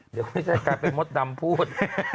เดี๋ยวมันจะกลายเป็นม็อตดำพูด